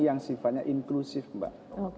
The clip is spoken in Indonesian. yang sifatnya inklusif mbak